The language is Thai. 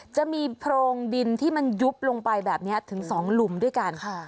จะมีโพรงดินที่มันยุบลงไปแบบนี้ถึง๒หลุมด้วยกัน